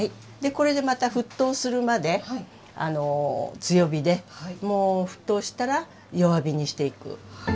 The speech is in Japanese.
これでまた沸騰するまで強火でもう沸騰したら弱火にしていくはい。